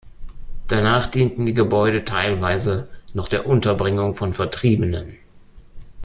Danach dienten die Gebäude teilweise noch der Unterbringung von Vertriebenen.